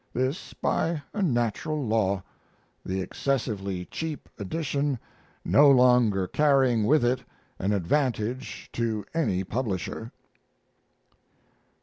This by a natural law, the excessively cheap edition no longer carrying with it an advantage to any publisher.